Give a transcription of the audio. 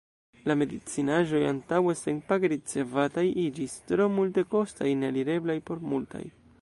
La medicinaĵoj, antaŭe senpage ricevataj, iĝis tro multekostaj, nealireblaj por multaj.